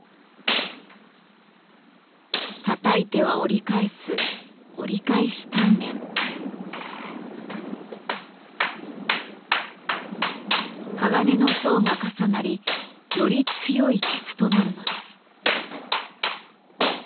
たたいては折り返す鋼の層が重なりより強い鉄となるのです。